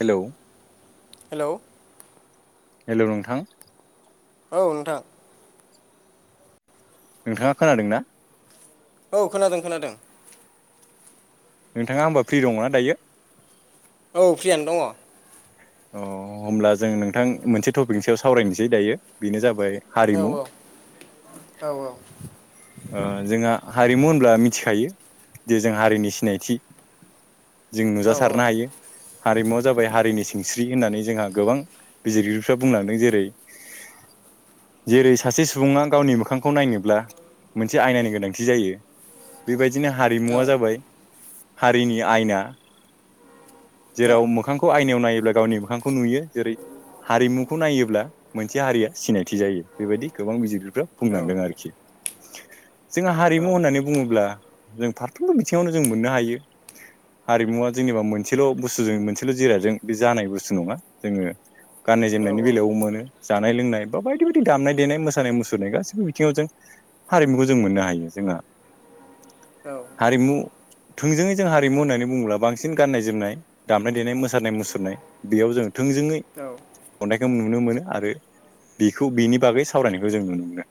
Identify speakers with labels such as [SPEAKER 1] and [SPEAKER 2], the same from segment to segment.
[SPEAKER 1] Hello
[SPEAKER 2] hello
[SPEAKER 1] hello नोंथां।
[SPEAKER 2] औ नोंथां।
[SPEAKER 1] नोंथाङा खोनादों ना?
[SPEAKER 2] औ खोनादों खोनादों।
[SPEAKER 1] नोंथाङा होनोमबा फ्रि दङनाा दायो?
[SPEAKER 2] औ फ्रियानो दङ।
[SPEAKER 1] अ होमब्ला जों नोंथां मोनसे टपिक सायाव सावरायनोसै दायो बेनो जाबाय
[SPEAKER 2] औ
[SPEAKER 1] हारिमु
[SPEAKER 2] औ औ औ
[SPEAKER 1] ओ जोंहा हारिमु होनब्ला मिथिखायो जे जों हारिनि सिनायथि जों
[SPEAKER 2] औ
[SPEAKER 1] नुजासारनो हायो हारिमुवा जाबाय हारिनि सिंस्रि होननानै जोंहा गोबां बिजिरगिरिफ्रा बुंलांदों जेरै जेरै- सासे सुबुङा गावनि मोखांखौ नायनोब्ला मोनसे आयनानि गोनांथि जायो बेबायदिनो
[SPEAKER 2] औ
[SPEAKER 1] हारिमुवा जाबाय हारिनि आयना। जेराव मोखांखौ आयनायाव नाय ब्ला गावनि मोखांखौ नुयो। जेरै हारिमुखौ नायोब्ला मोनसे हारिया सिनायथि जायो बेबायदि गोबां बिजिरगिरिफ्रा बुंलांदों आरोखि। जोंहा हारिमु होननानै बुङोब्ला जों फारफ्रोमबो बिथिङावनो जों मोननो हायो [inaudible] हारिमुवा जेनेबा मोनसेल' बुस्थुजों मोनसेल' जिरादाजों बे जानाय बुस्थु नङा जोङो गाननाय जोमनायनि बेलायाव मोनो जानाय लोंनाय बा बायदि बायदि दामनाय देनाय मोसानाय मुसुरनाय गासैबो बिथिङाव जों हारिमुखौ जों मोननो हायो जोंहा हारिमु थोंजोङै जों हारिमु होननानै बुङोब्ला बांसिन गाननाय जोमनाय दामनाय देनाय मोसानाय मुसुरनाय बेयाव जों थोंजोङै खन्थाइखौ नुनो मोनो आरो बेखौ बिनि बागै सावरायनायखौ जों नुनो मोनो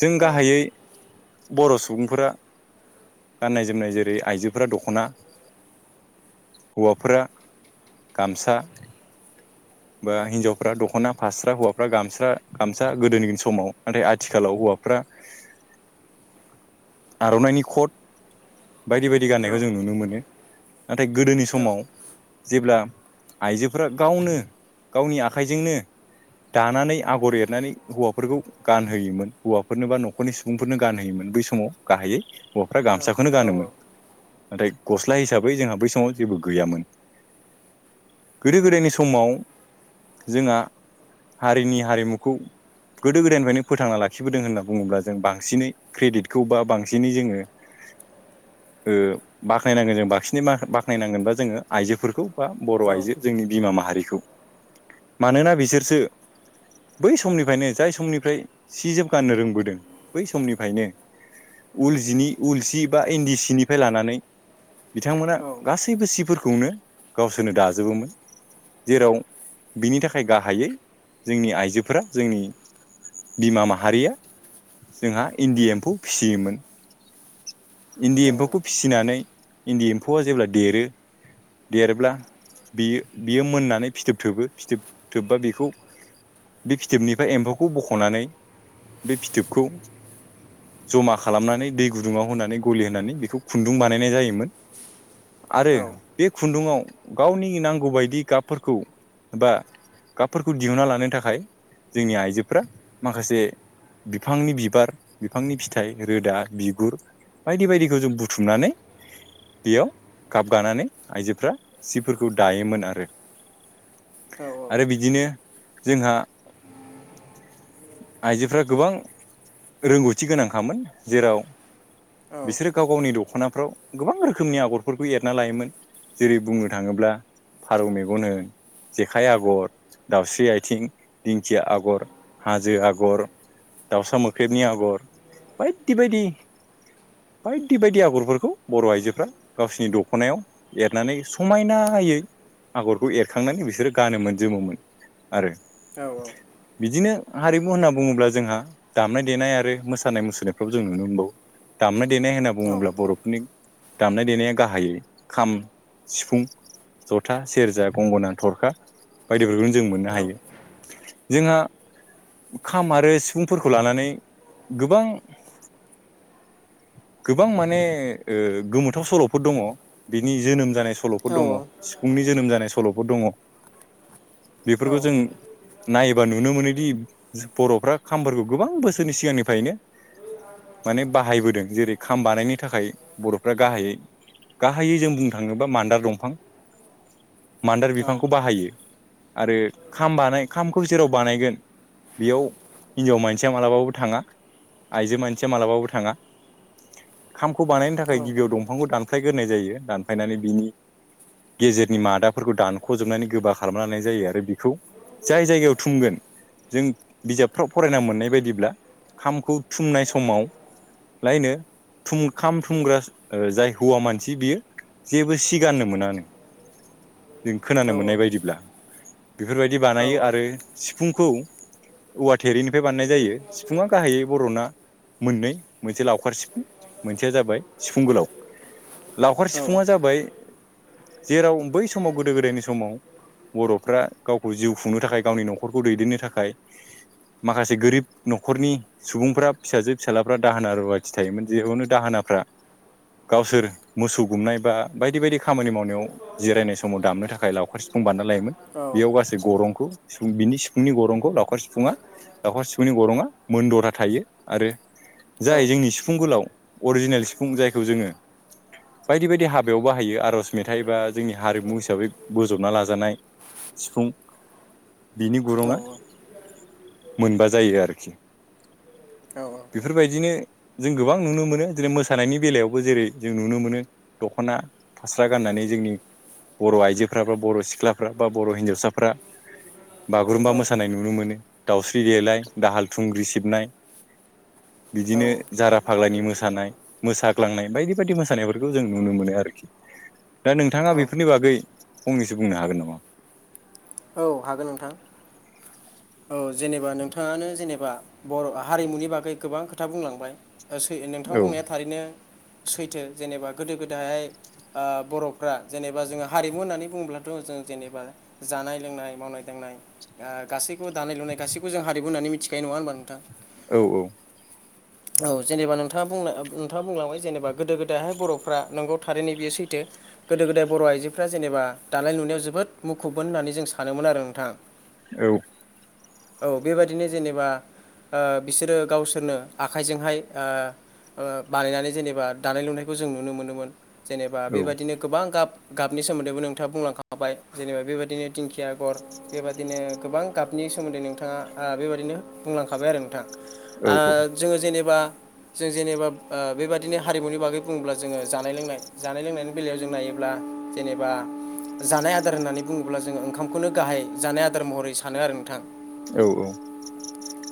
[SPEAKER 1] जों गाहायै बर' सुबुंफोरा गाननाय जोमनाय जेरै आइजोफोरा दख'ना हौवाफोरा गामसा बा हिनजावफ्रा दख'ना फास्रा हौवाफ्रा गामस्रा गामसा गोदोनि समाव नाथाय आथिखालाव हौवा हौवाफोरा आर'नाइनि खट बायदि बायदि गाननायखौ जों नुनो मोनो नाथाय गोदोनि समाव जेब्ला आइजोफोरा गावनो गावनि आखाइजोंनो दानानै आगर एरनानै हौवाफोरखौ गानहोयोमोन हौवाफोरनो बा न'खरनि सुबुंफोरनो गानहोयोमोन बै समाव गाहायै हौवाफ्रा गामसाखौनो गानोमोन नाथाय गस्ला हिसाबै जोंहा बै समाव जेबो गैयामोन गोदो गोदायनि समाव जोंहा हारिनि हारिमुखौ गोदो गोदायनिफ्रायनो फोथांना लाखिबोदों होनना बुङोब्ला जों बांसिनै क्रेडिटखौ बा बांसिनै जोङो ओ बाख्नायनांगोन जों बांसिन बाख्नायनांगोनबा जोङो आइजोफोरखौ बा बर'
[SPEAKER 2] औ
[SPEAKER 1] आइजो जोंनि बिमा माहारिखौ मानोना बिसोरसो बै समनिफ्रायनो जाय समनिफ्राय सि जोब गाननो रोंबोदों बै समनिफ्रायनो उल जिनि उल सि बा इन्दि सिनिफ्राय लानानै बिथांमोना गासैबो सिफोरखौनो गावसोरनो दाजोबोमोन। जेराव बिनि थाखाय गाहायै जोंनि आइजोफोरा जोंनि बिमा माहारिया जोंहा इन्दि एम्फौ फिसियोमोन। इन्दि एम्फौखौ फिसिनानै इन्दि एम्फौआ जेब्ला देरो देरोब्ला बियो बियो मोननानै फिथोब थोबो फिथोब थोबबा बेखौ बे फिथोबनिफ्राय एम्फौखौ बख'नानै बे फिथोबखौ ज'मा खालामनानै दै गुदुङाव होनानै गलि होनानै बेखौ खुन्दुं बानायनाय जायोमोन। आरो बे खुन्दुाव गावनि नांगौबायदि गाबफोरखौ बा गाबफोरखौ दिहुनना लानो थाखाय। जोंनि आइजोफ्रा माखासे बिफांनि बिबार बिफांनि फिथाइ, रोदा, बिगुर बायदि बायदिखौ जों बुथुमनानै बेयाव गाब गानानै आइजोफ्रा सिफोरखौ दायोमोन आरो। आरो बिदिनो जोंहा आइजोफ्रा गोबां रोंगौथि गोनांखामोन जेराव बिसोरो गाव गावनि दख'ना फ्राव गोबां रोखोमनि आगरफोरखौ एरना लायोमोन। जेरै बुंनो थाङोब्ला फारौ मेगन होन जेखाइ आगर दाउस्रि आथिं, दिंखिया आगर, हाजो आगर दाउसा मोख्रेबनि आगर बायदि बायदि। बायदि बायदि आगरफोरखौ बर' आइजोफ्रा गावसिनि दख'नायाव एरनानै समायना नायै आगरखौ एर खांनानै बिसोरो गानोमोन जोमोमोन आरो। बिदिनो हारिमु होनना बुङोब्ला जोंहा दामनाय देनाय आरो मोसानाय मुसुरनायफ्रावबो जों नुनो मोनबावो। दामनाय देनाय होनना बुङोब्ला बर'फोरनि दामनाय देनाया गाहायै खाम, सिफुं, जथा, सेरजा गंगना, थरखा बायदिफोरखौनो जों मोननो हायो। जोंहा खाम आरो सुबुंफोरखौ लानानै गोबां गोबां माने ओ गोमोथाव सल'फोर दङ। बिनि जोनोम जानाय सल'फोर दङ। सिफुंनि जोनोम जानाय सल'फोर दङ'। बेफोरखौ जों नायोबा नुनो मोनो। दि बर'फ्रा खामफोरखौ गोबां बोसोरनि सिगांनिफायनो माने बाहायबोदों। जेरै खाम बानायनो थाखाय बर'फ्रा गाहायै गाहायै जों बुंनो थाङोबा मान्दार दंफां, मान्दार बिफांखौ बाहायो। आरो खाम बानाय खामखौ जेराव बानायगोन। बेयाव हिनजाव मानसिया मालाबाबो थाङा। आइजो मानसिया मालाबाबो थाङा। खामखौ बानायनो थाखाय गिबियाव दंफांखौ दानखलाय गोरनाय जायो। दानफायनानै बिनि गेजेरनि मादा फोरखौ दानख'जोबनानै गोबा खालामना लानाय जायो। आरो बेखौ जाय जायगायाव थुमगोन। जों बिजाबफ्राव फरायना मोननाय बायदिब्ला खामखौ थुमनाय समाव। लायनो थुम खाम थुमग्रा जाय हौवा मानसि बियो। जेबो सिगानो मोनानो। जों खोनानो मोननाय बायदिब्ला बेफोर बायदि बानायो। आरो सिफुंखौ औवा थेरिनिफ्राय बानायनाय जायो। सिफुङा गाहायै बर'ना मोननै मोनसे लावखार सिफुं मोनसेया जाबाय सिफुं गोलाव। लावखार सिफुङा जाबाय जेराव बै समाव गोदो गोदायनि समाव बर'फ्रा गावखौ जिउ खुंनो थाखाय गावनि न'खरखौ दैदेननो थाखाय माखासे गोरिब न'खरनि सुबुंफ्रा फिसाजो फिसालाफ्रा दाहोना रुवाथि थायोमोन। जेयावनो दाहोना फ्रा गावसोर मोसौ गुमनाय बा बायदि बायदि खामानि मावनायाव जिरायनाय समाव दामनो थाखाय लावखार सिफुं बानना लायोमोन बेयाव गासै गरंखौ सिफुं बिनि सिफुंनि गरंखौ लावखार सिफुङा लावखार सिफुंनि गर'ङा मोनद'था थायो आरो जाय जोंनि सिफुं गोलाव अरजिनेल सिफुं जायखौ जोङो बायदि बायदि हाबायाव बाहायो आर'ज मेथाइ बा जोंनि हारिमु हिसाबै बोजबना लाजानाय सिफुं बिनि गुरुङा मोनबा जायो आरोखि बेफोर बायदिनो जों गोबां नुनो मोनो जेरै मोसानायनि बेलायावबो जेरै जों नुनो मोनो दख'ना फास्रा गान नानै जोंनि बर' आइजोफ्रा बा बर' सिख्लाफ्रा बा बर' हिनजावसाफ्रा बागुरुम्बा मोसानाय नुनो मोनो दाउस्रि देलाय, दाहाल थुंग्रि सिबनाय बिदिनो जारा फाग्लानि मोसा दानाय मोसाग्लांनाय बायदि बायदि मोसानायफोरखौ जों नुनो मोनो आरोखि दा नोंथाङा बेफो गै फंनैसो बुंनो हागोन नामा?
[SPEAKER 2] औ हागोन नोंथां औ जेनेबा नोंथाङानो जेनेबा बर' हारिमुनि बागै गोबां खोथा बुंलांबाय। ओ सै नोंथां
[SPEAKER 1] औ
[SPEAKER 2] बुंनाया थारैनो सैथो जेनेबा गोदो गोदाहाय ओ बर'फ्रा जेनेबा जोङो हारिमु होननानै बुङोब्लाथ' जों जेनेबा जा जानाय लोंनाय मावनाय दांनाय ओ गासैखौबो दानाय लुनाय गासैखौ जों हारिमु होननानै मिथिखायो नङा होनबा नोंथां?
[SPEAKER 1] औ औ।
[SPEAKER 2] औ जेनेबा नोंथाङा बुंनो ओ नोंथाङा बुंलांबाय जेनेबा गोदो गोदायहाय बर'फ्रा नंगौ थारै बियो सैथो। गोदो गोदाय बर' आइजोफ्रा जेनेबा दानाय लुनायाव जोबोद मुखुबमोन होननानै जों सानोमोन आरो नोंथां।
[SPEAKER 1] औ
[SPEAKER 2] औ बेबादिनो जेनेबा ओ बिसोरो गावसोरनो आखाइजोंहाय ओ ओ बानायनानै जेनेबा दानाय लुनायखौ जों नुनो मोनोमोन। जेनेबा बेबादिनो गोबां गाब गाबनि सोमोन्दैबो नोंथाङा बुंलांखाबाय जेनेबा बेबादिनो दिंखिया आगर बेबादिनो गोबां गाबनि सोमोन्दै नोंथाङा ओ बेबायदिनो बुंलांखाबाय आरो नोंथां।
[SPEAKER 1] औ
[SPEAKER 2] ओ
[SPEAKER 1] औ।
[SPEAKER 2] जोङो जेनेबा जों जेनेबा ओ बेबादिनो हारिमुनि बागै बुङोब्ला जोङो जानाय लोंनाय जानाय लोंनायनि बेलायाव जों नायोब्ला जेनेबा जानाय आदार होननानै बुङोब्ला जोङो ओंखामखौनो गाहाय जानाय आदार महरै सानो आरो नोंथां।
[SPEAKER 1] औ औ।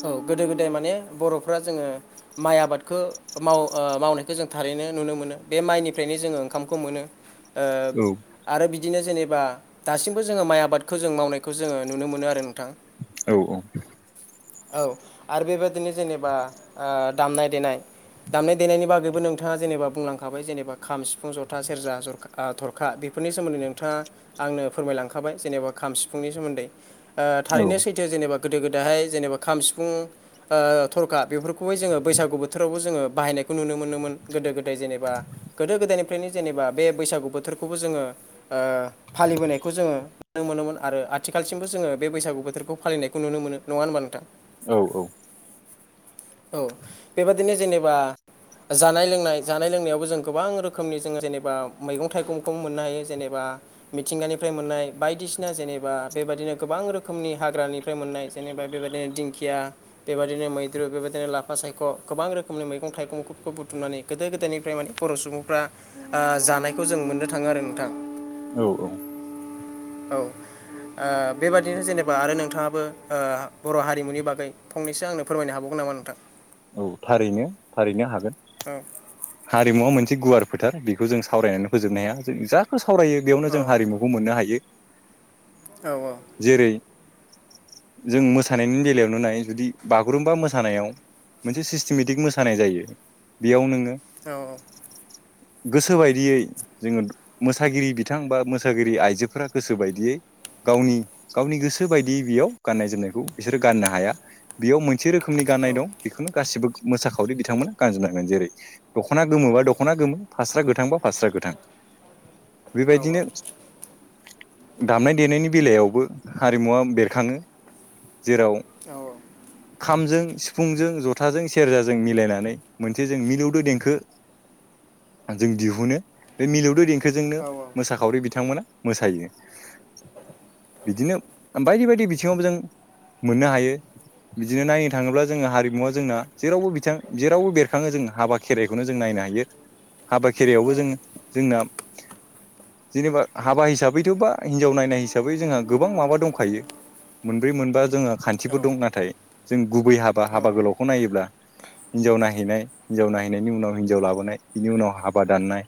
[SPEAKER 2] औ गोदो गोदाय माने बर' फोरा जोङो माइ आबादखौ माव ओ मावनायखौ जों थारैनो नुनो मोनो बे माइनिफ्रायनो जोङो ओंखामखौ मोनो ओ आरो बि दिनो जेनेबा दासिमबो जोङो माइ आबादखौ जों मावनायखौ जोङो नुनो मोनो आरो नोंथां।
[SPEAKER 1] औ औ।
[SPEAKER 2] औ आरो बेबायाददिनो जेनेबा ओ दामनाय देनाय दामनाय देनायनि बागैबो नोंथाङा जेनेबा बुंलांखाबाय जेनेबा खाम, सिफुं, ज'था, सेरजा, ज'रखा ओ थ'रखा बे फोरनि सोमोन्दै नोंथाङा आंनो फोरमायलांखाबाय जेनेबा खाम, सिफुंनि सोमोन्दै। ओ थारैनो सैथो जेनेबा गोदो गोदाहाय जेनेबा खाम सिफुं ओ थ'रखा बेफोरखौबो जोङो बैसागु बोथोरावबो जोङो बाहायनायखौ नुनो मोनोमोन गोदो गोदाय जेनेबा गोदो गोदाय फ्रायनो जेनेबा बे बैसागु बोथोरखौबो जोङो ओ फालिबोनायखौ जोङो नुनो मोनोमोन आ रो आथिखालसिमबो जोङो बे बैसागुोथोरखौ फालिनायखौ नुनो मोनो नङा होनबा नोंथां?
[SPEAKER 1] औ औ।
[SPEAKER 2] औ बेबादिनो जेनेबा जानाय लोंनाय जानाय लोंनायावबो जों गोबां रोखोमनि जोङो जेनेबा मैगं थाइगंखौ मोननो हायो जेनेबा बा मिथिंगानिफ्राय मोननाय बायदिसिना जेनेबा बेबादिनो गोबां रोखोमनि हाग्रानिफ्राय मोननाय जेन नेबा बेबादिनो दिंखिया बेबादिनो मै‌ [unintelligible] बेबादिनो लाफा सायख' गोबां रोखोमनि मैगं थाइगंखौ बुथुमनानै गोदो गोदायनिफ्राय माने बर' सुबुंफ्रा ओ जानायखौ जों मोननो थाङो आरो नोंथां।
[SPEAKER 1] औ-औ।
[SPEAKER 2] औ। ओ बेबादिनो जेनेबा आरो नोंथाङाबो ओ बर' हारिमुनि बागै फंनैसो आंनो फोरमायनो हाबावगोन नामा नोंथां?
[SPEAKER 1] औ थारैनो थारैनो हागोन।
[SPEAKER 2] औ
[SPEAKER 1] हारिमुवा मोनसे गुवार फोथार बेखौ जों सावरायनानै फोजोबनो हाया। जों जाखौ सावरायो बेयावनो
[SPEAKER 2] औ
[SPEAKER 1] जों हारिमुखौ मोननो हायो।
[SPEAKER 2] औ औ
[SPEAKER 1] जेरै जों मोसानायनि बेलायावनो नाय जुदि बागुरुम्बा मोसानायाव मोनसे सिस्टेमेटिक मोसानाय जायो बेयाव नोङो
[SPEAKER 2] औ।
[SPEAKER 1] गोसो बायदियै जोङो मोसागिरि बिथां बा मोसागिरि आइजोफोरा गोसो बायदियै गावनि, गावनि गोसो बायदियै बेयाव गाननाय जोमनायखौ बिसोरो गाननो हाया बेयाव मोन मोनसे रोखोमनि गाननाय दं बेखौनो गासिबो मोसाखावरि बिथांमोना गानजोबनांगोन जेरै दख'ना गोमोबा दख'ना गोमो, फास्रा गोथांबा फास्रा गोथां। बे बायदिनो दामनाय-देनायनि बेलायावबो हारिमुवा बेरखाङो। जेराव खामजों, सिफुंजों ज थाजों सेराजों मिलायनानै मोनसे जों मिलौदोे दें जों दिहुनो बे मिलौदो देंखो बे जोंनो मोसाखावरि बिथांमोना मोसायो। बिदिनो बायदि बायदि बिथिङावबो जों मोननो हायो बिदिनो नायनो थाङोब्ला जोङो हारिमुवा जोंना जेरावबो बिथां जेरावबो बेरखाङो जों हाबा खेराइखौनो जों नायनो हायो। हाबा खेरायआवबो जोङो जोंना जेनेबा हाबा हिसाबैथ' बा हिनजाव नायनाय हिसाबै जोंहा गोबां माबा दंखायो। मोनब्रै मोनबा जोंङा- खान्थिफोर दं नाथाय जों गुबै हाबा हाबा गोलावखौ नायोब्ला हिनजाव नाय नायहैनाय हिनजाव नायहैनायनि उनाव हिनजाव लाबोनाय बिनि उनाव हाबा दाननाय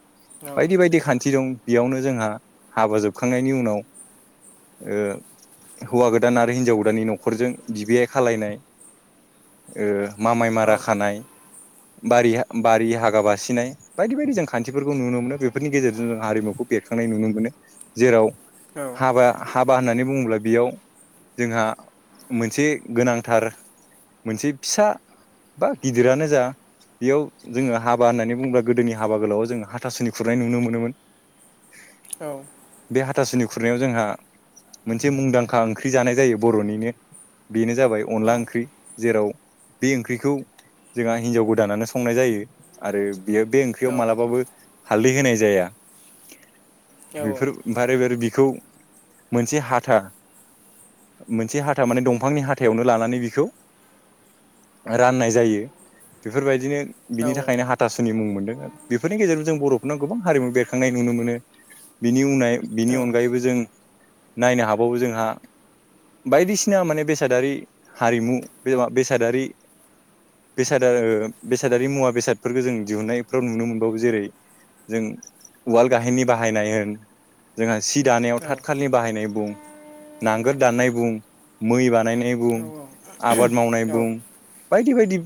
[SPEAKER 1] बायदि बायदि खान्थि दं। बेयावनो जोंहा हाबा जोबखांनायनि उनाव ओ हौवा गोदान आरो हिनजाव गोदाननि न'खरजों बिबैयै खालायनाय। ओ मामाय मारा खानाय बारिहा बारि हागा बासिनाय बायदि बायदि जों खान्थिफोरखौ नुनो मोनो बेफोरनि गेजेरजों जों हारिमुखौ बेरखांनाय नुनो मोनो। जेराव हाबा हाबा होननानै बुङोब्ला बेयाव जोंहा मोनसे गोनांथार मोनसे फिसा बा गिदिरानो जा बियाव जोङो हाबा होननानै बुङोब्ला गोदोनि हाबा गोलाव जोङो हाथासुनि खुरनाय नुनो मोनोमोन।
[SPEAKER 2] औ।
[SPEAKER 1] बे हाथासुनि खुरनायाव जोंहा मोनसे मुंदांखा ओंख्रि जानाय जायो बर'निनो बेनो जाबाय अनला ओंख्रि जेराव बे ओंख्रिखौ जोंहा हिनजाव गोदानानो संनाय जायो आरो बेयो बे ओंख्रियाव मालाबाबो हालदै होनाय जाया। बेफोर बारे बारे बिखौ मोनसे हाथा मोनसे हाथा माने दंफांनि हाथायावनो लानानै बिखौ राननाय जायो बेफोरबायदिनो बिनि थाखायनो हाथासुनि मुं मोन दो बेफोरनि गेजेराव जों बर'फोराव गोबां हारिमु बेरखांनाय नुनो मोनो बिनि उननाय बिनि अनगायैबो जों नायनो हाबावो जोंहा बायदिसिना माने बेसादारि हारिमु बेवा बेसादारि बेसादा ओ बेसादारि मुवा बेसादफोरखो जों दिहुनन्नायफ्राव नुनो मोनबावो जेरै- जों उवाल गाहेननि बाहायनाय होन जोंहा सि दानायाव थाथखालनि बाहायनाय बुं नांगोल दाननाय बुं मै बानायनाय बुं आबाद मावनाय
[SPEAKER 2] औ
[SPEAKER 1] बुं बायदि बायदि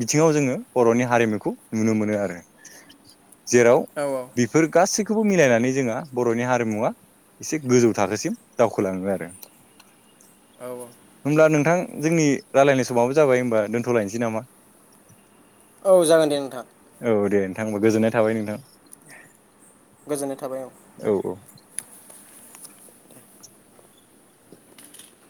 [SPEAKER 1] बिथिङाव जोंङो बर'नि हारिमुखौ नुनो मोनो आरो जेराव
[SPEAKER 2] औ औ
[SPEAKER 1] बेफोर गासै खौबो मिलायनानै जोंहा बर'नि हारिमुवा एसे गोजौ थाखोसिम दावखोलाङो आरो। होमब्ला नोंथां। जोंनि रालायनाय समाबो जाबाय होमबा दोन्थ'लायनोसै नामा?
[SPEAKER 2] औ जागोन दे नोंथां।
[SPEAKER 1] आंबो गोजोननाय थाबाय नोंथां।
[SPEAKER 2] गोजोननाय थाबाय औ।